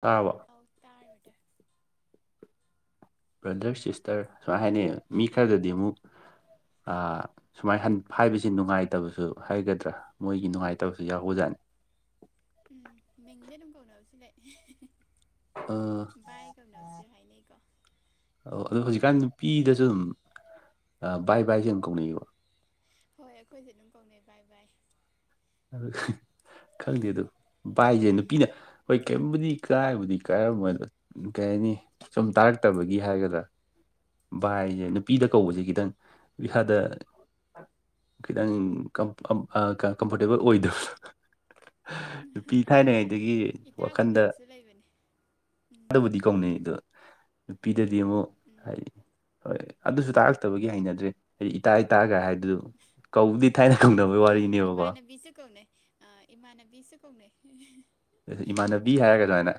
ꯇꯥꯔꯕꯣ ꯑꯧ ꯇꯥꯔꯦ ꯕ꯭ꯔꯗꯔ ꯕ꯭ꯔꯗꯔ ꯁꯤꯁꯇꯔ ꯁꯨꯃꯥꯏ ꯍꯥꯏꯅꯩꯌꯦꯕꯥ ꯃꯤ ꯈꯔꯗꯗꯤ ꯑꯃꯨꯛ ꯑꯥ ꯁꯨꯃꯥꯏ ꯍꯟ ꯍꯥꯏꯕꯁꯤ ꯅꯨꯡꯉꯥꯏꯇꯕꯁꯨ ꯍꯥꯏꯒꯗ꯭ꯔꯥ ꯃꯣꯏꯒꯤ ꯅꯨꯡꯉꯥꯏꯇꯕꯁꯨ ꯌꯥꯎꯕꯖꯥꯠꯅꯤ ꯎꯝ ꯃꯤꯡꯗꯤ ꯑꯗꯨꯝ ꯀꯧꯅꯕꯁꯨ ꯂꯩꯩ ꯚꯥꯏ ꯀꯧꯅꯕꯁꯨ ꯍꯥꯏꯅꯩꯀꯣ ꯑꯣ ꯑꯗꯣ ꯍꯧꯖꯤꯛꯀꯥꯟ ꯅꯨꯄꯤꯗꯁꯨ ꯑꯗꯨꯝ ꯑꯥ ꯚꯥꯏ ꯚꯥꯏꯁꯦ ꯑꯗꯨꯝ ꯀꯧꯅꯩꯌꯦꯕ ꯍꯣꯏ ꯑꯩꯈꯣꯏꯁꯨ ꯑꯗꯨꯝ ꯀꯧꯅꯩ ꯚꯥꯏ ꯚꯥꯏ ꯈꯪꯗꯦ ꯑꯗꯨ ꯚꯥꯏꯁꯦ ꯅꯨꯄꯤꯅ ꯍꯣꯏ ꯀꯩꯝꯕꯨꯗꯤ ꯀꯥꯏꯕꯨꯗꯤ ꯀꯥꯏꯔꯃꯣꯏꯗꯣ ꯀꯩ ꯍꯥꯏꯅꯤ ꯁꯨꯝ ꯇꯥꯔꯛꯇꯕꯒꯤ ꯍꯥꯏꯒꯗ꯭ꯔꯥ ꯚꯥꯏꯁꯦ ꯅꯨꯄꯤꯗ ꯀꯧꯕꯁꯦ ꯈꯤꯇꯪ ꯏꯁꯥꯗ ꯈꯤꯇꯪ ꯀꯝ ꯀꯝꯐꯣꯔꯇꯦꯕꯜ ꯑꯣꯏꯗꯕꯗꯣ ꯅꯨꯄꯤ ꯊꯥꯏꯅꯉꯩꯗꯒꯤ ꯏꯇꯥ ꯋꯥꯈꯟꯗ ꯀꯧꯅꯕꯁꯨ ꯂꯩꯕꯅꯤ ꯑꯗꯨꯕꯨꯗꯤ ꯀꯧꯅꯩ ꯑꯗꯣ ꯅꯨꯄꯤꯗꯗꯤ ꯑꯃꯨꯛ ꯎꯝ ꯍꯥꯏꯗꯤ ꯍꯣꯏ ꯑꯗꯨꯁꯨ ꯇꯥꯔꯛꯇꯕꯒꯤ ꯍꯩꯅꯗ꯭ꯔꯦ ꯍꯥꯏꯗꯤ ꯏꯇꯥ ꯏꯇꯥꯒ ꯍꯥꯏꯕꯗꯨ ꯀꯧꯕꯗꯤ ꯊꯥꯏꯅ ꯀꯧꯅꯕꯒꯤ ꯋꯥꯔꯤꯅꯦꯕꯀꯣ ꯕꯤꯁꯦ ꯀꯧꯅꯩ ꯑꯥ ꯏꯃꯥꯟꯅꯕꯤꯁꯨ ꯀꯧꯅꯩ ꯏꯃꯥꯟꯅꯕꯤ ꯍꯥꯏꯔꯒ ꯑꯗꯨꯃꯥꯏꯅ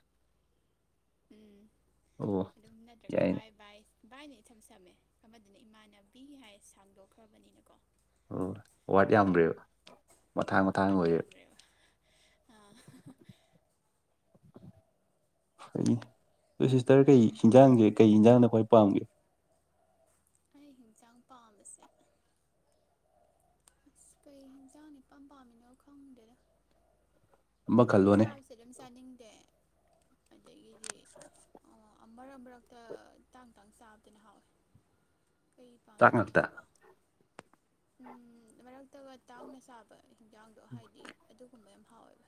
ꯎꯝ ꯑꯣ ꯑꯗꯨꯝ ꯅꯠꯇ꯭ꯔꯒ ꯌꯥꯏꯅꯦ ꯚꯥꯏ ꯚꯥꯏ ꯚꯥꯏꯅ ꯏꯁꯝ ꯁꯝꯃꯦ ꯑꯃꯗꯤꯅꯦ ꯏꯃꯥꯟꯅꯕꯤ ꯍꯥꯏ ꯁꯥꯡꯗꯣꯛꯈ꯭ꯔꯕꯅꯤꯅꯀꯣ ꯑꯣ ꯋꯥꯔ꯭ꯠ ꯌꯥꯝꯒ꯭ꯔꯦꯕ ꯋꯥꯔ꯭ꯠ ꯌꯥꯝꯒ꯭ꯔꯦꯕ ꯑꯥ ꯑꯗꯨ ꯁꯤꯁꯇꯔ ꯀꯩ ꯍꯤꯟꯖꯥꯡꯁꯦ ꯀꯩ ꯌꯦꯟꯖꯥꯡꯅ ꯈ꯭ꯋꯥꯏ ꯄꯥꯝꯒꯦ ꯑꯩꯒꯤ ꯏꯟꯖꯥꯡ ꯄꯥꯝꯕꯁꯦ ꯑꯁ ꯀꯩ ꯌꯦꯟꯖꯥꯡꯅꯥ ꯏꯄꯥꯝ ꯄꯥꯝꯃꯤꯅꯣ ꯈꯪꯗꯦꯗꯥ ꯑꯃ ꯑꯗꯨꯝ ꯈꯜꯂꯣꯅꯦ ꯆꯥ ꯑꯗꯨꯝ ꯆꯥꯅꯤꯡꯗꯦ ꯑꯗꯒꯤꯗꯤ ꯑꯥ ꯃꯔꯛ ꯃꯔꯛꯇ ꯇꯥꯡ ꯇꯥꯡ ꯆꯥꯕꯗꯨꯅ ꯍꯥꯎꯋꯦ ꯑꯩ ꯆꯥꯛ ꯄꯥꯝꯗꯦꯅꯦ ꯉꯥꯛꯇ ꯁꯨꯛꯄꯥꯝ ꯎꯝ ꯃꯔꯛꯇꯒ ꯇꯥꯡꯅ ꯆꯥꯕ ꯍꯤꯟꯖꯥꯡꯗꯣ ꯍꯥꯏꯗꯤ ꯑꯗꯨꯒꯨꯝꯕ ꯌꯥꯝ ꯍꯥꯎꯋꯦꯕ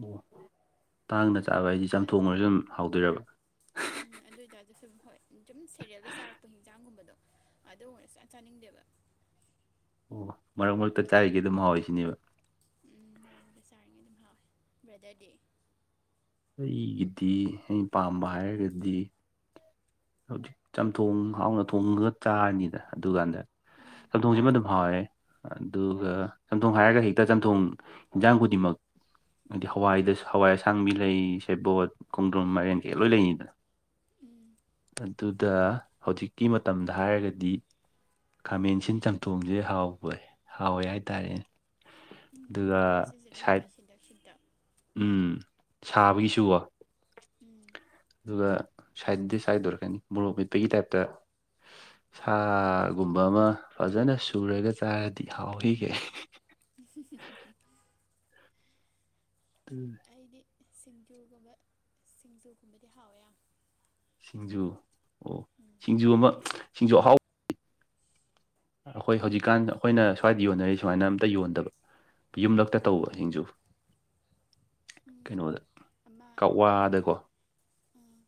ꯑꯣ ꯇꯥꯡꯅ ꯆꯥꯕ ꯍꯥꯏꯗꯤ ꯆꯝꯊꯣꯡ ꯑꯣꯏꯔꯁꯨ ꯑꯗꯨꯝ ꯍꯥꯎꯗꯣꯏꯔꯕ ꯎꯝ ꯑꯗꯨ ꯑꯣꯏꯇꯥꯔꯁꯨ ꯁꯨꯝ ꯍꯣꯏ ꯁꯨꯝ ꯁꯦꯔꯦꯜꯗ ꯆꯥꯔꯛꯄ ꯍꯤꯟꯖꯥꯡꯒꯨꯝꯕꯗꯣ ꯑꯗꯨꯃꯥ ꯁꯨꯡꯆꯥ ꯆꯥꯅꯤꯡꯗꯦꯕ ꯎꯝ ꯃꯔꯛ ꯃꯔꯛꯇ ꯆꯥꯏꯔꯤꯒꯩ ꯑꯗꯨꯝ ꯍꯥꯎꯋꯦ ꯁꯤꯅꯦꯕ ꯎꯝ ꯃꯔꯛ ꯃꯔꯛꯇ ꯆꯥꯔꯤꯉꯩ ꯑꯗꯨꯝ ꯍꯥꯎꯋꯦ ꯕ꯭ꯔꯥꯗ꯭ꯔꯗꯤ ꯑꯩꯒꯤꯗꯤ ꯑꯩꯅ ꯄꯥꯝꯕ ꯍꯥꯏꯔꯒꯗꯤ ꯍꯧꯖꯤꯛ ꯆꯝꯊꯣꯡ ꯍꯥꯎꯅ ꯊꯣꯡꯉꯒ ꯆꯥꯔꯅꯤꯗ ꯑꯗꯨꯒꯥꯟꯗ ꯎꯝ ꯆꯝꯊꯣꯡꯁꯤꯃ ꯑꯗꯨꯝ ꯍꯥꯎꯋꯦ ꯑꯗꯨꯒ ꯆꯝꯊꯣꯡ ꯍꯥꯏꯔꯒ ꯍꯦꯛꯇ ꯆꯝꯊꯣꯡ ꯍꯦꯟꯖꯥꯡ ꯈꯨꯗꯤꯡꯃꯛ ꯍꯥꯏꯗꯤ ꯍꯋꯥꯏꯗ ꯍꯋꯥꯏ ꯑꯁꯥꯡꯕꯤ ꯂꯩ ꯁꯦꯕꯣꯠ ꯈꯣꯡꯗ꯭ꯔꯨꯝ ꯃꯥꯏꯔꯦꯟ ꯀꯩ ꯂꯣꯏ ꯂꯩꯅꯤꯗꯅ ꯎꯝ ꯑꯗꯨꯗ ꯍꯧꯖꯤꯛꯀꯤ ꯃꯇꯝꯗ ꯍꯥꯏꯔꯒꯗꯤ ꯈꯥꯃꯦꯟꯁꯤꯟ ꯆꯝꯊꯣꯡꯖꯦ ꯍꯥꯎꯋꯦ ꯍꯥꯎꯋꯦ ꯍꯥꯏꯇꯥꯔꯦꯅꯦ ꯎꯝ ꯑꯗꯨꯒ ꯈꯥꯃꯦꯟ ꯑꯁꯤꯟꯕꯤꯖꯦ ꯑꯗꯨꯝ ꯁꯥꯏꯠ ꯍꯥꯎꯋꯦ ꯁꯤꯟꯇꯛ ꯁꯤꯟꯇꯛ ꯎꯝ ꯁꯥꯕꯒꯤꯁꯨꯀꯣ ꯎꯝ ꯑꯗꯨꯒ ꯁꯥꯏꯠꯇ ꯗꯤꯁ ꯍꯥꯏꯗꯨꯔ ꯀꯩꯅꯣ ꯃꯣꯔꯣꯛ ꯃꯦꯠꯄꯒꯤ ꯇꯥꯏꯞꯇ ꯁꯥꯒꯨꯝꯕ ꯑꯃ ꯐꯖꯅ ꯁꯨꯔꯒ ꯆꯥꯔꯗꯤ ꯍꯥꯎꯍꯦ ꯍꯨꯝꯍꯨꯝ ꯎꯝ ꯑꯩꯗꯤ ꯁꯤꯡꯖꯨꯒꯨꯝꯕ ꯁꯤꯡꯖꯨꯒꯨꯝꯕꯗꯤ ꯍꯥꯎꯋꯦ ꯌꯥꯝ ꯁꯤꯡꯖꯨ ꯑꯣ ꯎꯝ ꯁꯤꯡꯖꯨ ꯑꯃ ꯁꯤꯡꯖꯨ ꯑꯍꯥꯎ ꯑꯩꯈꯣꯏ ꯍꯧꯖꯤꯛꯀꯥꯟ ꯑꯩꯈꯣꯏꯅ ꯁ꯭ꯋꯥꯏꯗ ꯌꯣꯟꯅꯔꯤ ꯁꯨꯃꯥꯏꯅ ꯑꯝꯇ ꯌꯣꯟꯗꯕ ꯌꯨꯝꯂꯛꯇ ꯇꯧꯕ ꯁꯤꯡꯖꯨ ꯎꯝ ꯀꯩꯅꯣꯗ ꯑꯃ ꯀꯛꯋꯥꯗꯀꯣ ꯎꯝ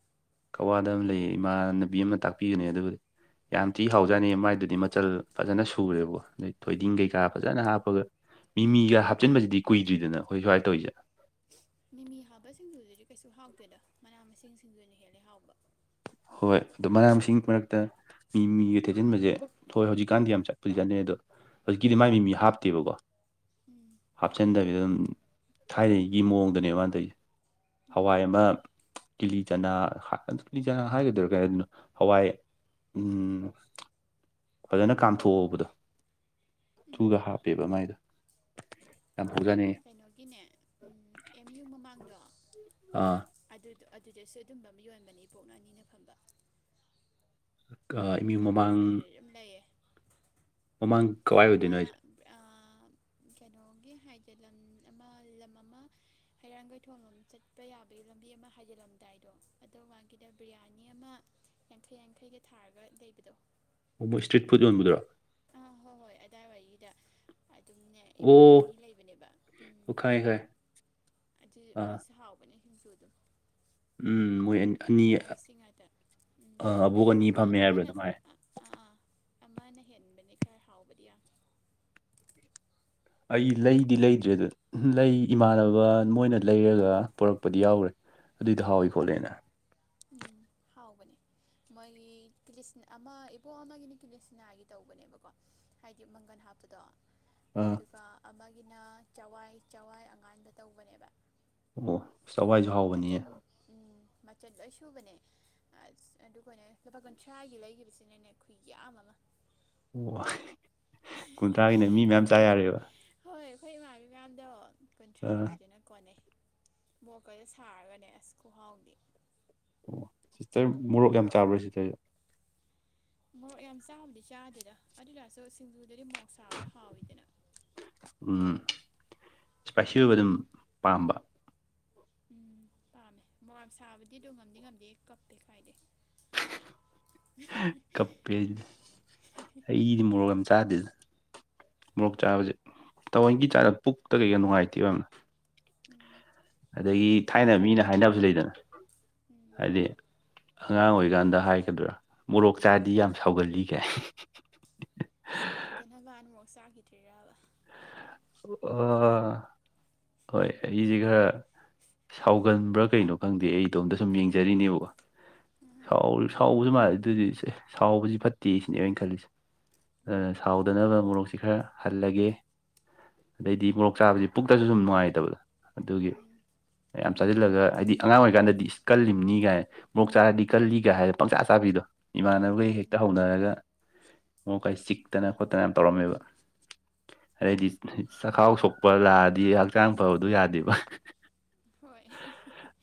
ꯀꯛꯋꯥꯗ ꯑꯃ ꯂꯩꯌꯦ ꯏꯃꯥꯟ ꯅꯕꯤ ꯑꯃꯅ ꯇꯥꯛꯄꯤꯕꯅꯦ ꯑꯗꯨꯕꯨꯗꯤ ꯌꯥꯝ ꯊꯤ ꯍꯥꯎꯖꯥꯠꯅꯤ ꯃꯥꯏꯗꯨꯗꯤ ꯃꯆꯜ ꯐꯖꯅ ꯁꯨꯔꯦꯕꯀꯣ ꯑꯗꯩ ꯊꯣꯏꯗꯤꯡ ꯀꯩꯀꯥ ꯐꯖꯅ ꯍꯥꯞꯄꯒ ꯃꯤꯃꯤꯒ ꯍꯥꯞꯆꯤꯟꯕꯖꯤꯗꯤ ꯀꯨꯏꯗ꯭ꯔꯤꯗꯅ ꯑꯩꯈꯣꯏ ꯁ꯭ꯋꯥꯥꯏ ꯇꯧꯏꯖꯦ ꯃꯤꯃꯤ ꯍꯥꯞꯄ ꯁꯤꯡꯖꯨꯖꯤꯗꯤ ꯀꯩꯁꯨ ꯍꯥꯎꯇꯦꯗ ꯃꯅꯥ ꯃꯁꯤꯡ ꯁꯤꯡꯖꯨꯅ ꯍꯦꯜꯂꯦ ꯍꯥꯎꯕ ꯍꯣꯏ ꯑꯗꯣ ꯃꯅꯥ ꯃꯁꯤꯡ ꯃꯔꯛꯇ ꯃꯤꯃꯤꯒ ꯇꯩꯁꯤꯟꯕꯖꯦ ꯍꯣꯏ ꯍꯧꯖꯤꯛꯀꯥꯟꯗꯤ ꯌꯥꯝ ꯆꯠꯄꯨꯗꯤ ꯆꯠꯅꯩ ꯑꯗꯣ ꯍꯧꯖꯤꯛꯀꯤꯗꯤ ꯃꯥꯏ ꯃꯤ ꯃꯤ ꯍꯥꯞꯇꯦꯕꯀꯣ ꯎꯝ ꯍꯥꯞꯆꯟꯗꯕꯤꯗ ꯑꯗꯨꯝ ꯊꯥꯏꯅꯒꯤ ꯃꯑꯣꯡꯗꯅꯦ ꯃꯥꯅ ꯇꯧꯏꯖꯦ ꯎꯝ ꯍꯋꯥꯏ ꯑꯃ ꯀꯤꯂꯤꯆꯅꯥ ꯍꯥꯞ ꯀꯤꯂꯤ ꯆꯅꯥ ꯍꯥꯏꯒꯗꯨꯏꯔꯥ ꯀꯩ ꯍꯥꯏꯗꯨꯅꯣ ꯍꯋꯥꯏ ꯎꯝ ꯐꯖꯅ ꯀꯥꯝꯊꯣꯛꯑꯕꯗꯣ ꯗꯨꯒ ꯎꯝ ꯍꯥꯞꯄꯦꯕ ꯃꯥꯏꯗꯣ ꯌꯥꯝ ꯊꯨꯖꯥꯠꯅꯤ ꯀꯩꯅꯣꯒꯤꯅꯦ ꯎꯝ ꯑꯦꯝ ꯌꯨ ꯃꯃꯥꯡꯗꯣ ꯑꯥ ꯑꯗꯨꯗꯣ ꯑꯗꯨꯗꯁꯨ ꯑꯗꯨꯝꯕ ꯑꯃ ꯌꯣꯟꯕꯅꯤ ꯏꯕꯣꯛ ꯑꯅꯤꯅ ꯐꯝꯕ ꯀꯥ ꯑꯦꯝ ꯌꯨ ꯑꯗꯨ ꯑꯩꯈꯣꯏꯗꯨꯗꯩ ꯑꯗꯨꯝ ꯂꯩꯌꯦ ꯃꯃꯥꯡ ꯀꯥꯋꯥꯏ ꯑꯣꯏꯗꯨꯏꯅꯣ ꯍꯥꯏꯖꯦ ꯑꯥ ꯀꯩꯅꯣꯒꯤ ꯍꯥꯏꯖꯤꯜ ꯂꯝ ꯑꯃ ꯂꯝ ꯑꯃ ꯍꯩꯔꯥꯡꯒꯣꯏꯊꯣꯡ ꯂꯣꯝ ꯆꯠꯄ ꯌꯥꯕꯒꯤ ꯂꯝꯕꯤ ꯑꯃ ꯍꯥꯏꯖꯤꯜꯂꯝꯗꯥꯏꯗꯣ ꯑꯗꯨ ꯃꯥꯡꯒꯤꯗ ꯕꯤꯔꯌꯥꯅꯤ ꯑꯃ ꯌꯥꯡꯈꯩ ꯌꯥꯡꯈꯩꯒ ꯊꯥꯔꯒ ꯂꯩꯕꯗꯣ ꯃꯣꯏ ꯏꯁꯇ꯭ꯔꯤꯠ ꯐꯨꯗ ꯌꯣꯟꯕꯗꯨꯔꯣ ꯑꯥ ꯍꯣꯏ ꯍꯣꯏ ꯑꯗꯥꯏꯋꯥꯏꯒꯤꯗ ꯑꯗꯨꯝꯅꯦ ꯏꯕꯣꯛ ꯑꯣ ꯑꯅꯤ ꯂꯩꯕꯅꯦꯕ ꯎꯝ ꯑꯣ ꯈꯪꯉꯦ ꯈꯪꯉꯦ ꯑꯗꯨ ꯑꯥ ꯃꯣꯏꯁꯨ ꯍꯥꯎꯕꯅꯦ ꯁꯤꯡꯖꯨ ꯗꯨ ꯎꯝ ꯃꯣꯏ ꯑꯅꯤ ꯃꯅꯥ ꯃꯁꯤꯡ ꯉꯥꯛꯇ ꯎꯝ ꯑꯕꯣꯛ ꯑꯅꯤ ꯑꯃ ꯐꯝꯃꯦ ꯍꯥꯏꯕ꯭ꯔꯥ ꯑꯃꯅ ꯑꯗꯨꯝ ꯍꯥꯏ ꯈꯔ ꯑꯥ ꯑꯥ ꯑꯃꯅ ꯍꯦꯟꯕꯅꯦ ꯈꯔ ꯍꯥꯎꯕꯗꯤ ꯌꯥꯝ ꯑꯩ ꯂꯩꯗꯤ ꯂꯩꯗ꯭ꯔꯗ ꯂꯩ ꯏꯃꯥꯟꯅꯕ ꯃꯣꯏꯅ ꯂꯩꯔꯒ ꯄꯨꯔꯛꯄꯗꯤ ꯌꯥꯎꯒ꯭ꯔꯦ ꯑꯗꯨꯏꯗꯨ ꯍꯥꯎꯏ ꯈꯣꯠꯂꯦꯅ ꯎꯝ ꯍꯥꯎꯕꯅꯦ ꯃꯣꯏꯒꯤ ꯀꯤꯂꯤꯆ ꯑꯃꯥ ꯏꯕꯣꯛ ꯑꯃꯒꯤꯅ ꯀꯤꯂꯤꯆꯅꯥꯒꯤ ꯇꯧꯕꯅꯦꯕꯀꯣ ꯍꯥꯏꯗꯤ ꯃꯪꯒꯟ ꯍꯥꯞꯄꯗꯣ ꯑꯥ ꯑꯗꯨꯒ ꯑꯃꯒꯤꯅ ꯆꯋꯥꯏ ꯆꯋꯥꯏ ꯑꯉꯥꯟꯕ ꯇꯧꯕꯅꯦꯕ ꯑꯣ ꯆꯋꯥꯏꯁꯨ ꯑꯗꯨꯒ ꯍꯥꯎꯕꯅꯤꯌꯦ ꯃꯆꯜ ꯎꯝ ꯆꯜ ꯂꯣꯏ ꯁꯨꯕꯅꯦ ꯑꯁ ꯑꯗꯨꯒꯅꯦ ꯂꯨꯄꯥ ꯀꯨꯟꯊ꯭ꯔꯥꯒꯤ ꯂꯩꯒꯤꯕꯁꯤꯅꯅꯦ ꯈꯨꯌꯥꯝ ꯑꯃ ꯑꯣ ꯀꯨꯟꯊ꯭ꯔꯥꯒꯤꯅ ꯃꯤ ꯃꯌꯥꯝ ꯆꯥ ꯑꯩꯈꯣꯏ ꯌꯥꯔꯦꯕ ꯍꯣꯏ ꯑꯈꯣꯏ ꯏꯃꯥꯅꯕꯤ ꯃꯌꯥꯝꯗꯣ ꯑꯥ ꯀꯨꯟꯊ꯭ꯔꯥꯒꯤꯗꯨꯅ ꯀꯣꯟꯅꯩ ꯃꯣꯛꯀꯖꯦ ꯁꯥꯔꯒꯅꯦ ꯑꯁ ꯈꯨꯍꯥꯎꯗꯤ ꯁꯤꯁꯇꯔ ꯃꯣꯔꯣꯛ ꯌꯥꯝ ꯆꯥꯕ꯭ꯔ ꯁꯤꯁꯇꯔꯖꯦ ꯃꯣꯔꯣꯛ ꯌꯥꯝ ꯆꯥꯕꯨꯗꯤ ꯆꯥꯗꯦꯗ ꯑꯗꯨꯇꯔꯁꯨ ꯁꯤꯡꯖꯨꯗꯗꯤ ꯃꯣꯔꯣꯛ ꯁꯥꯕꯗꯣ ꯍꯥꯎꯋꯤꯗꯅ ꯎꯝ ꯏꯁꯄꯥꯏꯁꯤ ꯑꯣꯏꯕ ꯗꯨꯝ ꯄꯥꯝꯕ ꯎꯝ ꯄꯥꯝꯃꯦ ꯃꯣꯔꯣꯛ ꯌꯥꯝ ꯁꯥꯕꯗꯤ ꯑꯗꯨ ꯉꯝꯗꯤ ꯉꯝꯗꯦꯍꯦ ꯀꯞꯄꯦ ꯀꯥꯏꯗꯩ [unintelligible] ꯀꯞꯄꯦ ꯍꯩ ꯑꯩ ꯗꯤ ꯃꯣꯔꯣꯛ ꯌꯥꯝ ꯆꯥꯗꯦꯗ ꯃꯣꯔꯣꯛ ꯑꯥ ꯆꯥꯕꯖꯦ ꯊꯧꯋꯣꯏꯟꯒꯤ ꯆꯥꯗ ꯄꯨꯛꯇ ꯀꯩꯒ ꯅꯨꯡꯉꯥꯏꯇꯦꯕ ꯌꯥꯝꯅ ꯎꯝ ꯑꯗꯒꯤ ꯁꯨꯝ ꯊꯥꯏꯅ ꯃꯤꯅ ꯆꯥꯔꯛꯇꯕꯩ ꯍꯥꯏꯅꯕꯁꯨ ꯑꯣꯏꯔꯝꯅꯤ ꯂꯩꯗꯅ ꯎꯝ ꯍꯥꯏꯗꯤ ꯑꯉꯥꯡ ꯑꯣꯏꯔꯤꯀꯥꯟꯗ ꯍꯥꯏꯒꯗ꯭ꯔꯥ ꯃꯣꯔꯣꯛ ꯆꯥꯗꯤ ꯌꯥꯝ ꯁꯥꯎꯒꯜꯂꯤꯒꯥꯏ [inaudible] ꯁꯥꯎꯗꯅꯕꯅ ꯃꯣꯔꯣꯛ ꯆꯥꯒꯤꯗ꯭ꯔꯤꯔꯕ ꯑꯥ ꯍꯣꯏ ꯑꯩꯖꯤ ꯈꯔ ꯁꯥꯎꯒꯟꯕ꯭ꯔꯥ ꯀꯩꯅꯣ ꯈꯪꯗꯦ ꯑꯩ ꯏꯇꯣꯝꯗ ꯁꯨꯝ ꯌꯦꯡꯖꯔꯤꯅꯦꯕꯀꯣ ꯁꯥꯎ ꯁꯥꯎꯕꯁꯨ ꯃꯥꯜꯂꯤ ꯑꯗꯨꯗꯤ ꯁꯦ ꯁꯥꯎꯕꯁꯤ ꯐꯠꯇꯦ ꯁꯤꯅꯦ ꯑꯩ ꯈꯜꯂꯤꯁꯦ ꯑꯗꯨꯅ ꯎꯝ ꯁꯥꯎꯗꯅꯕ ꯃꯣꯔꯣꯛꯁꯤ ꯈꯔ ꯍꯜꯂꯒꯦ ꯑꯗꯩꯗꯤ ꯃꯣꯔꯣꯛ ꯆꯥꯕꯖꯤ ꯄꯨꯛꯇꯁꯨ ꯁꯨꯝ ꯅꯨꯡꯉꯥꯏꯇꯕꯗꯣ ꯑꯗꯨꯒꯤ ꯎꯝ ꯌꯥꯝ ꯆꯥꯖꯤꯜꯂꯒ ꯍꯥꯏꯗꯤ ꯑꯉꯥꯡ ꯑꯣꯏꯀꯥꯟꯗꯗꯤ ꯏꯁ ꯀꯜꯂꯤꯝꯅꯤ ꯀꯥꯏꯅ ꯃꯣꯔꯣꯛ ꯆꯥꯔꯗꯤ ꯀꯜꯂꯤꯒ ꯍꯥꯏ ꯄꯪꯆꯥ ꯆꯥꯕꯤꯗꯣ ꯏꯃꯥꯟꯅꯕꯒꯩ ꯎꯝ ꯍꯦꯛꯇ ꯍꯧꯅꯔꯒ ꯃꯣꯔꯣꯀ ꯆꯤꯛꯇꯅ ꯈꯣꯠꯇꯅ ꯌꯥꯝ ꯇꯧꯔꯝꯃꯦꯕ ꯑꯗꯩꯗꯤ ꯎꯝ ꯆꯈꯥꯎ ꯁꯣꯛꯄ ꯂꯥꯛꯑꯗꯤ ꯍꯛꯆꯥꯡ ꯐꯕꯗꯨ ꯌꯥꯗꯦꯕ ꯍꯣꯏ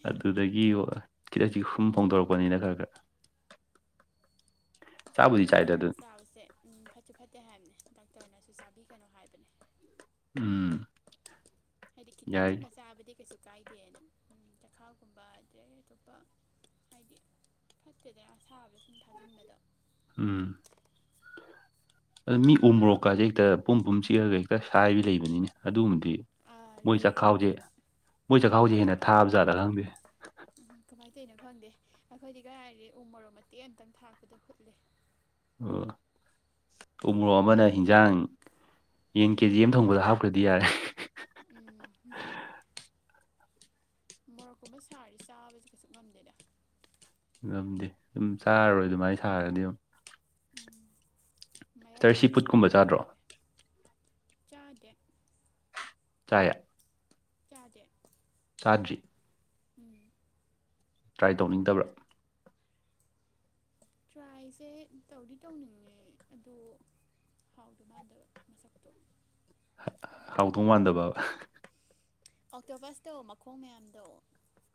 ꯑꯗꯨꯗꯒꯤ [unintelligible] ꯐꯣꯡꯗꯣꯔꯛꯄꯅꯤꯗ ꯈꯔ ꯈꯔ ꯆꯥꯕꯨꯗꯤ ꯍꯣꯏ ꯆꯥꯏꯗ ꯃꯣꯔꯣꯛ ꯑꯗꯨ ꯌꯥꯝ ꯆꯥꯕꯁꯦ ꯎꯝ ꯐꯠꯁꯨ ꯐꯠꯇꯦ ꯍꯥꯏꯝꯅꯦ ꯗꯥꯛꯇꯔꯅꯁꯨ ꯆꯥꯕꯤꯒꯅꯨ ꯍꯥꯏꯕꯅꯦ ꯎꯝ ꯍꯥꯏꯗꯤ ꯌꯥꯏ ꯈꯤꯇꯪꯒꯨꯝꯕ ꯆꯥꯕꯗꯤ ꯀꯩꯁꯨ ꯀꯥꯏꯗꯦꯅ ꯎꯝ ꯆꯈꯥꯎꯒꯨꯝꯕ ꯑꯗꯩ ꯑꯇꯣꯞꯄ ꯍꯥꯏꯗꯤ ꯐꯠꯇꯦꯗ ꯑꯁꯥꯕ ꯁꯨꯝ ꯊꯥꯖꯤꯟꯕꯗꯣ ꯎꯝ ꯑꯗꯨ ꯃꯤ ꯎꯃꯣꯛꯀꯥꯖꯦ ꯍꯦꯛꯇ ꯄꯨꯝ ꯄꯨꯝ ꯆꯤꯛꯑꯒ ꯍꯦꯛꯇ ꯁꯥꯏꯕꯤ ꯂꯩꯕꯅꯤꯅꯦ ꯑꯗꯨꯒꯨꯝꯕꯗꯤ ꯑꯥ ꯃꯣꯏ ꯂꯩ ꯉꯣꯃꯤ ꯆꯥꯛꯈꯥꯎꯖꯦ ꯃꯣꯏ ꯆꯈꯥꯎꯖꯦ ꯍꯦꯟꯅ ꯊꯥꯕ ꯖꯥꯠꯂ ꯈꯪꯗꯦ ꯀꯃꯥꯏꯟ ꯇꯣꯏꯅꯣ ꯈꯪꯗꯦ ꯑꯩꯈꯣꯏꯗꯤ ꯀꯔꯥꯏꯗꯩ ꯎꯃꯣꯔꯣꯛ ꯃꯇꯦꯛ ꯑꯝꯇꯪ ꯊꯥꯛꯄꯗ ꯍꯨꯠꯂꯦ ꯑꯣ ꯎ ꯃꯣꯔꯣꯛ ꯑꯃꯅ ꯍꯤꯟꯖꯥꯡ ꯌꯦꯟ ꯀꯦꯖꯤ ꯑꯃ ꯊꯣꯡꯕꯗ ꯍꯥꯞꯈ꯭ꯔꯗꯤ ꯌꯥꯔꯦ ꯎꯝ ꯍꯥ ꯃꯣꯔꯣꯛꯀꯨꯝꯕ ꯁꯥꯔꯗꯤ ꯆꯥꯕꯁꯤ ꯀꯩꯁꯨ ꯉꯝꯗꯦꯗ ꯉꯝꯗꯦ ꯑꯗꯨꯝ ꯆꯥꯔꯔꯣꯏ ꯑꯗꯨꯃꯥꯏꯟ ꯁꯥꯔꯗꯤ ꯗꯨꯝ ꯎꯝ ꯃꯌꯥꯏ ꯁꯤꯁꯇꯔ ꯁꯤ ꯑꯣꯏꯔꯞ ꯐꯨꯗꯀꯨꯝꯕ ꯁꯥꯕꯗꯨꯅ ꯆꯥꯗ꯭ꯔꯣ ꯍꯥꯎꯋꯦ ꯆꯥꯗꯦ ꯆꯥꯏꯌꯦ ꯆꯥꯗꯦ ꯆꯥꯗ꯭ꯔꯤ ꯎꯨꯝ ꯇ꯭ꯔꯥꯏ ꯇꯧꯅꯤꯡꯗꯕ꯭ꯔꯥ ꯇ꯭ꯔꯥꯏꯁꯦ ꯇꯧꯗꯤ ꯇꯧꯅꯤꯡꯉꯦ ꯑꯗꯣ ꯍꯥꯎꯗꯣ ꯃꯥꯟꯗꯕ ꯃꯁꯛꯇꯣ ꯍꯥ ꯍꯥꯎꯗꯧ ꯃꯥꯟꯗꯕ ꯑꯣꯛꯇꯣꯄꯁꯇꯣ ꯃꯈꯣꯡ ꯃꯌꯥꯝꯗꯣ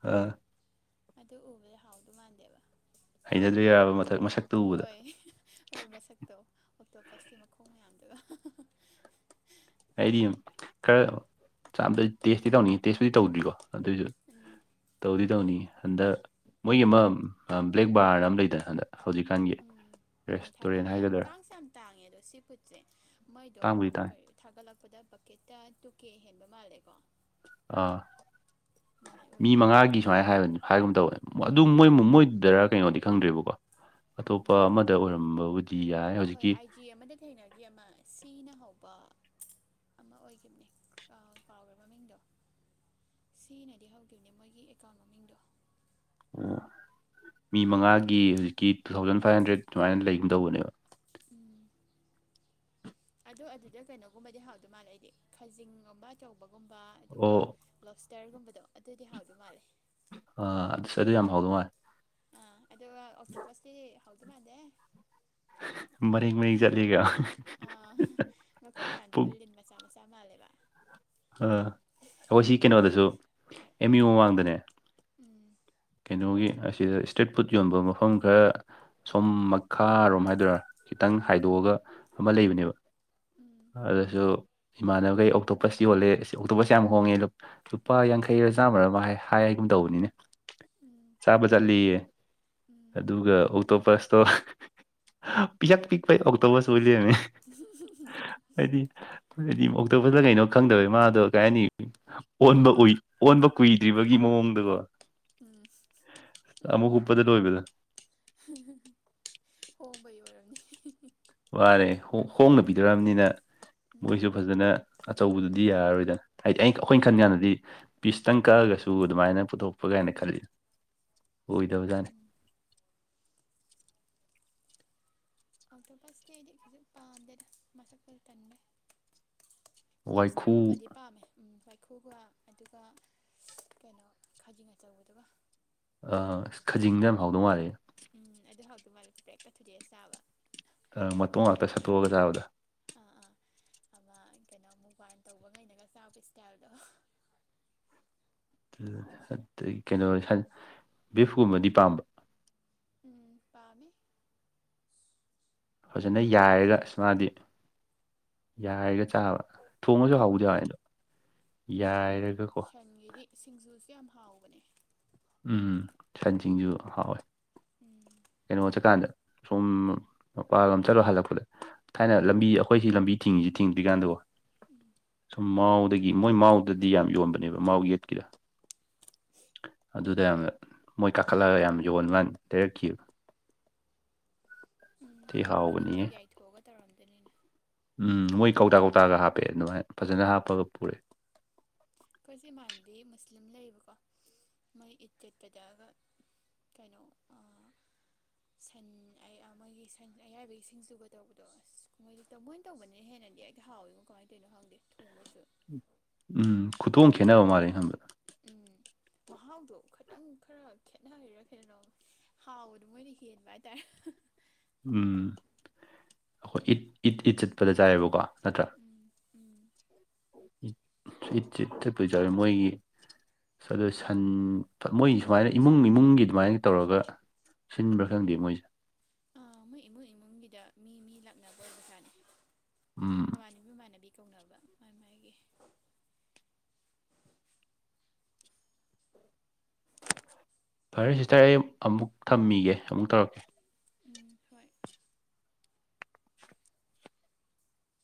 ꯑꯥ ꯑꯗꯨ ꯎꯕꯗ ꯍꯥꯎꯗꯧ ꯃꯥꯟꯗꯦꯕ ꯍꯩꯅꯗ꯭ꯔꯤꯔꯕ ꯃꯊꯛ ꯃꯁꯛ ꯍꯣꯏ ꯍꯣꯏ ꯃꯁꯛꯇꯣ ꯑꯣꯛꯇꯣꯄꯁꯀꯤ ꯃꯈꯣꯡ ꯃꯌꯥꯝꯗꯨꯒ ꯍꯥ ꯍꯥ ꯍ ꯑꯩꯗꯤ ꯈꯔ ꯆꯥꯝꯗ ꯇꯦꯁꯇꯤ ꯇꯧꯅꯤꯡꯉꯤ ꯇꯦꯁꯄꯨꯗꯤ ꯇꯧꯗ꯭ꯔꯤꯀꯣ ꯑꯗꯨꯏꯁꯨ ꯎꯨꯝ ꯇꯧꯗꯤ ꯇꯧꯅꯤꯡꯉꯦ ꯍꯟꯗꯛ ꯃꯣꯏꯒꯤ ꯑꯃ ꯑꯥ ꯕ꯭ꯂꯦꯛ ꯕꯥꯔꯑꯅ ꯑꯃ ꯂꯩꯗꯅ ꯍꯟꯗꯛ ꯍꯧꯖꯤꯛꯀꯥꯟꯒꯤ ꯎꯝ ꯎꯝ ꯔꯦꯁꯇꯨꯔꯦꯟ ꯊꯥꯒꯠꯂꯦ ꯌꯥꯝ ꯍꯥꯏꯒꯗ꯭ꯔꯥ ꯇꯥꯡꯁꯨ ꯌꯥꯝ ꯇꯥꯡꯉꯦ ꯑꯗꯣ ꯁꯤ ꯐꯨꯠꯁꯦ ꯃꯣꯏꯗꯣ ꯇꯥꯡꯕꯨꯗꯤ ꯇꯥꯡꯉꯦ ꯀꯔꯤ ꯊꯥꯒꯠꯂꯛꯄꯗ ꯕꯛꯀꯦꯠꯇ ꯇꯨ ꯀꯦ ꯍꯦꯟꯕ ꯃꯥꯜꯂꯦꯀꯣ ꯑꯥ ꯑꯗꯨꯃꯥꯏ ꯃꯤ ꯑꯣꯏ ꯃꯉꯥꯒꯤ ꯁꯨꯃꯥꯏꯅ ꯍꯥꯏꯕꯅꯤ ꯍꯥꯏꯒꯨꯝ ꯇꯧꯕꯅꯦ ꯑꯗꯨ ꯃꯣꯏ ꯎꯝ ꯃꯣꯏꯗꯨꯗꯔ ꯀꯩꯅꯣꯗꯤ ꯈꯪꯗ꯭ꯔꯦꯕꯀꯣ ꯎꯝ ꯑꯇꯣꯞꯄ ꯑꯃꯗ ꯑꯣꯏꯔꯝꯕꯕꯨꯗꯤ ꯌꯥꯏ ꯍꯧꯖꯤꯛꯀꯤ ꯆꯦ ꯑꯃꯗ ꯊꯦꯡꯅꯈꯤ ꯑꯃ ꯁꯤꯅ ꯍꯧꯕ ꯑꯃ ꯑꯣꯏꯈꯤꯕꯅꯦ ꯀꯥꯎꯕꯨ ꯀꯥꯎꯈ꯭ꯔꯦ ꯃꯃꯤꯡꯗꯣ ꯁꯤꯅꯗꯤ ꯍꯧꯈꯤꯕꯅꯦ ꯃꯣꯏꯒꯤ ꯑꯦꯀꯥꯎꯟ ꯃꯃꯤꯡꯗꯣ ꯑꯣ ꯃꯤ ꯃꯉꯥꯒꯤ ꯍꯧꯖꯤꯛꯀꯤ ꯇꯨ ꯊꯥꯎꯖꯟ ꯐꯥꯏꯚ ꯍꯟꯗ꯭ꯔꯦꯠ ꯑꯗꯨꯃꯥꯏꯅ ꯂꯩꯒꯨꯝ ꯇꯧꯕꯅꯦꯕ ꯎꯨꯝ ꯑꯗꯣ ꯑꯗꯨꯗ ꯀꯩꯅꯣꯒꯨꯝꯕꯗꯤ ꯍꯥꯎꯗꯣꯏ ꯃꯥꯜꯂꯦ ꯑꯩꯗꯤ ꯈꯥꯖꯤꯡꯒꯨꯝꯕ ꯆꯧꯕꯒꯨꯝꯕ ꯑꯗꯨꯒ ꯑꯣ ꯂꯣꯞꯁꯇꯔꯒꯨꯝꯕꯗꯣ ꯑꯗꯨꯗꯤ ꯍꯥꯎꯗꯧ ꯃꯥꯜꯂꯦ ꯑꯥ ꯑꯗꯨ ꯌꯥꯝ ꯍꯥꯎꯗꯧ ꯃꯥꯜꯂꯦ ꯑꯥ ꯑꯗꯨꯒ ꯑꯣꯛꯇꯣꯄꯁꯇꯤ ꯍꯥꯎꯗꯧ ꯃꯥꯟꯗꯦ ꯃꯔꯦꯡ ꯃꯔꯦꯡ ꯍꯤ ꯆꯠꯂꯤꯒ ꯑꯥ ꯍ ꯃꯈꯨꯠ ꯃꯌꯥꯝꯗꯨꯕꯨ ꯄꯨꯛ ꯂꯤꯟ ꯃꯆꯥ ꯃꯆꯥ ꯃꯥꯜꯂꯦꯕ ꯑꯥ ꯑꯩꯈꯣꯏ ꯁꯤ ꯀꯩꯅꯣꯗꯁꯨ ꯑꯦꯝ ꯌꯨ ꯃꯃꯥꯡꯗꯅꯦ ꯎꯨꯝ ꯀꯩꯅꯣꯒꯤ ꯑꯁꯤꯗ ꯏꯁꯇ꯭ꯔꯤꯠ ꯐꯨꯗ ꯌꯣꯟꯕ ꯃꯐꯝ ꯈꯔ ꯁꯣꯝ ꯃꯈꯥꯔꯣꯝ ꯍꯥꯏꯗꯣꯏꯔꯥ ꯈꯤꯇꯪ ꯍꯥꯏꯗꯣꯛꯑꯒ ꯑꯃ ꯂꯩꯕꯅꯦꯕ ꯎꯝ ꯑꯗꯨꯗꯁꯨ ꯏꯃꯥꯟꯅꯕꯈꯩ ꯑꯣꯛꯇꯣꯄꯁ ꯌꯣꯜꯂꯦ ꯑꯣꯛꯇꯣꯄꯁ ꯌꯥꯝ ꯍꯣꯡꯉꯦ ꯂꯨ ꯂꯨꯄꯥ ꯌꯥꯡꯈꯩꯔ ꯆꯥꯝꯃꯔ ꯑꯃ ꯍꯥꯏ ꯍꯥꯏꯒꯨꯝ ꯇꯧꯕꯅꯤꯅꯦ ꯎꯝ ꯆꯥꯕ ꯆꯠꯂꯤꯌꯦ ꯎꯝ ꯑꯗꯨꯒ ꯑꯣꯛꯇꯣꯄꯁꯇꯣ ꯄꯤꯁꯛ ꯄꯤꯛꯄꯤ ꯑꯣꯛꯇꯣꯄꯁ ꯑꯣꯏ ꯂꯩꯔꯝꯃꯦ [unintelligible] ꯑꯣꯛꯇꯣꯄꯁꯂꯥ ꯀꯩꯅꯣ ꯈꯪꯗꯕꯒꯤ ꯃꯥꯗꯣ ꯀꯩ ꯍꯥꯏꯅꯤ ꯑꯣꯟꯕ ꯎꯏ ꯑꯣꯟꯕ ꯀꯨꯏꯗ꯭ꯔꯤꯕꯒꯤ ꯃꯑꯣꯡꯗꯒꯣ ꯎꯝ ꯑꯃꯨꯛ ꯍꯨꯛꯄꯗ ꯂꯣꯏꯕꯗꯣ ꯍꯣꯡꯕꯩ ꯑꯣꯏꯔꯝꯅꯤ ꯋꯥꯔꯦ ꯍꯣꯡꯅ ꯄꯤꯗꯔꯛꯑꯕꯅꯤꯅ ꯎꯝ ꯃꯣꯏꯁꯨ ꯐꯖꯅ ꯑꯆꯧꯕꯗꯨꯗꯤ ꯌꯥꯔꯔꯣꯏꯗꯅ ꯍꯥꯏꯗꯤ ꯑꯩ ꯑꯩꯈꯣꯏꯅ ꯎꯝ ꯈꯟ ꯀꯥꯟꯗꯗꯤ ꯄꯤꯁꯇꯪ ꯀꯛꯑꯒꯁꯨ ꯑꯗꯨꯃꯥꯏꯅ ꯄꯨꯊꯣꯛꯄ ꯀꯥꯏꯅ ꯈꯜꯂꯤ ꯑꯣꯏꯗꯕꯖꯥꯠꯅꯤ ꯎꯝ ꯑꯣꯛꯇꯣꯄꯁꯇꯤ ꯑꯩꯗꯤ ꯈꯖꯤꯛ ꯄꯥꯝꯗꯦꯗ ꯃꯁꯛꯇꯣ ꯇꯟꯕꯩ ꯋꯥꯏꯈꯨ ꯂꯣꯞꯁꯇꯔꯒꯨꯝꯕꯗꯤ ꯄꯥꯝꯃꯦ ꯎꯝ ꯋꯥꯏꯈꯨꯒ ꯑꯗꯨꯒ ꯀꯩꯅꯣ ꯈꯥꯖꯤꯡ ꯑꯆꯧꯕꯗꯨꯒ ꯑ ꯈꯖꯤꯡꯗꯣ ꯌꯥꯝ ꯍꯥꯎꯗꯧ ꯃꯥꯜꯂꯦ ꯎꯝ ꯑꯗꯨ ꯍꯥꯎꯗꯧ ꯃꯥꯜꯂꯦ ꯄ꯭ꯔꯦꯛꯀ ꯊꯨꯗꯦꯛꯑ ꯆꯥꯕ ꯑ ꯃꯇꯣꯡ ꯉꯥꯛꯇ ꯁꯠꯇꯣꯛꯑꯒ ꯆꯥꯕꯗꯣ ꯑꯥ ꯑꯥ ꯑꯃ ꯀꯩꯅꯣ ꯃꯨꯛꯕꯥꯡ ꯇꯧꯕꯉꯩꯅꯒ ꯆꯥꯕ ꯏꯁꯇꯥꯏꯜꯗꯣ ꯑꯗꯒꯤ ꯀꯩꯅꯣ ꯁꯟ ꯕꯤꯐꯀꯨꯝꯕꯗꯤ ꯄꯥꯝꯕ꯭ꯔꯣ ꯎꯝ ꯄꯥꯝꯃꯤ ꯐꯖꯅ ꯌꯥꯏꯔꯒ ꯑꯁ ꯃꯥꯗꯤ ꯌꯥꯏꯔꯒ ꯆꯥꯕ ꯊꯣꯡꯉꯖꯨ ꯍꯥꯎꯕꯨꯗꯤ ꯎꯝ ꯍꯥꯎꯋꯦ ꯑꯗꯣ ꯌꯥꯏꯔ ꯎꯝ ꯁꯟꯒꯤꯗꯤ ꯁꯤꯡꯖꯨꯁꯨ ꯌꯥꯝ ꯍꯥꯎꯕꯅꯦ ꯎꯝ ꯁꯟ ꯁꯤꯡꯖꯨ ꯍꯥꯎꯋꯦ ꯎꯝ ꯀꯩꯅꯣ ꯆꯠꯀꯥꯟꯗ ꯁꯣꯝ ꯃꯄꯥꯜꯂꯣꯝ ꯆꯠꯂꯨ ꯍꯜꯂꯛꯄꯗ ꯊꯥꯏꯅ ꯂꯝꯕꯤ ꯑꯩꯈꯣꯏꯁꯤ ꯂꯝꯕꯤ ꯊꯤꯡꯉꯤꯁꯤ ꯊꯤꯡꯗ꯭ꯔꯤꯀꯥꯟꯗꯀꯣ ꯁꯨꯝ ꯃꯥꯎꯗꯒꯤ ꯃꯣꯏ ꯃꯥꯎꯗꯗꯤ ꯌꯥꯝ ꯌꯣꯟꯕꯅꯦꯕ ꯃꯥꯎ ꯒꯦꯠꯀꯤꯗ ꯑꯗꯨꯗ ꯌꯥꯝꯅ ꯃꯣꯏ ꯀꯥꯈꯠꯂꯒ ꯌꯥꯝ ꯌꯣꯟꯕꯥꯟ ꯂꯩꯔꯛꯈꯤꯕ ꯎꯝ ꯊꯤ ꯍꯥꯎꯔꯝꯒꯅꯤ ꯃꯣꯏ ꯍꯥꯎꯕꯅꯤꯍꯦ ꯌꯥꯏꯊꯣꯛꯑꯒ ꯇꯧꯔꯝꯗꯣꯏꯅꯤꯅꯦ ꯎꯝ ꯃꯣꯏ ꯀꯧꯇꯥ ꯀꯧꯇꯥꯒ ꯍꯥꯞꯄꯦ ꯑꯗꯨꯃꯥꯏ ꯐꯖꯅ ꯍꯥꯞꯄꯒ ꯄꯨꯔꯛꯑꯦ ꯑꯩꯈꯣꯏꯁꯤ ꯏꯃꯥꯟꯅꯕꯤ ꯃꯨꯁꯂꯤꯝ ꯂꯩꯌꯦꯕꯀꯣ ꯃꯣꯏ ꯏꯠ ꯆꯠꯄꯗꯒ ꯀꯩꯅꯣ ꯑ ꯁꯟ ꯑꯌꯥ ꯃꯣꯏꯒꯤ ꯁꯟ ꯑꯌꯥꯏꯕꯒꯤ ꯁꯤꯡꯖꯨꯕ ꯇꯧꯕꯗꯣ ꯑꯁ ꯃꯣꯢꯗꯤ ꯑꯗꯣ ꯃꯣꯏꯅ ꯇꯧꯕꯅ ꯍꯦꯟꯅꯗꯤ ꯍꯦꯛꯇ ꯍꯥꯎꯋꯦꯉꯣ ꯀꯃꯥꯏ ꯇꯧꯋꯤꯅꯣ ꯈꯪꯗꯦ ꯊꯣꯡꯉꯁꯨ ꯎꯝ ꯈꯨꯊꯣꯡ ꯈꯦꯠꯅꯕ ꯃꯥꯜꯂꯦ ꯑꯩ ꯈꯟꯕꯗ ꯎꯝ ꯃꯍꯥꯎꯗꯣ ꯈꯩꯇꯪ ꯈꯔ ꯈꯦꯠꯅꯔꯤꯔ ꯀꯩꯅꯣ ꯍꯥꯎꯕꯗꯣ ꯃꯣꯏꯅ ꯍꯦꯟꯕ ꯍꯥꯢꯇꯥꯔꯦ ꯎꯝ ꯑꯩꯈꯣꯏ ꯏꯠ ꯏꯠ ꯏꯠ ꯆꯠꯄꯗ ꯆꯥꯏꯌꯦꯕꯀꯣ ꯅꯠꯇ꯭ꯔꯥ ꯎꯝ ꯎꯝ ꯏꯠ ꯏꯠꯁꯦ ꯆꯠꯄꯨꯗꯤ ꯆꯠꯂꯦ ꯃꯣꯏꯒꯤ ꯑꯗꯣ ꯁꯟ ꯃꯣꯏ ꯁꯨꯃꯥꯏꯅ ꯏꯃꯨꯡ ꯏꯃꯨꯡꯒꯤ ꯑꯗꯨꯃꯥꯏꯅ ꯇꯧꯔꯒ ꯁꯤꯟꯕ꯭ꯔꯥ ꯈꯪꯗꯦ ꯃꯣꯏꯁꯦ ꯑ ꯃꯣꯏ ꯏꯃꯨꯡ ꯏꯃꯨꯡꯒꯤꯗ ꯃꯤ ꯃꯤ ꯂꯥꯛꯅꯕ ꯑꯣꯏꯕꯖꯥꯠꯅꯦ ꯎꯝ ꯃꯃꯥꯟꯅꯕꯤ ꯃꯃꯥꯟꯅꯕꯤ ꯇꯧꯅꯕ ꯃꯥꯥꯏ ꯃꯥꯥꯏꯒꯤ ꯐꯔꯦ ꯁꯤꯁꯇꯔ ꯑꯩ ꯑꯃꯨꯛ ꯊꯝꯃꯤꯒꯦ ꯑꯃꯨꯛ ꯇꯧꯔꯛꯀꯦ ꯎꯝ ꯍꯣꯏ